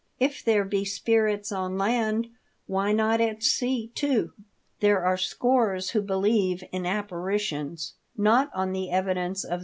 If there be spirits, on land, why not at sea, too ? There are scores who believe in apparitions, not on the evidence of 1 8 THE DEATH SHIP.